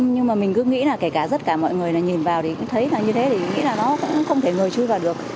nhưng mà mình cứ nghĩ là kể cả mọi người nhìn vào thì cũng thấy là như thế nghĩ là nó cũng không thể người chui vào được